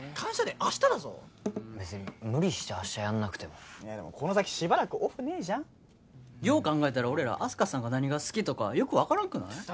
デー明日だぞべつに無理して明日やんなくてもいやでもこの先しばらくオフねえじゃんよお考えたら俺らあす花さんが何が好きとかよく分からんくない？